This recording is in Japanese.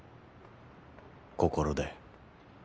心で。